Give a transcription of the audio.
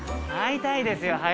会いたいですよ